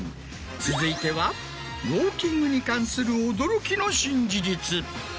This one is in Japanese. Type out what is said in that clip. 続いてはウォーキングに関する驚きの新事実。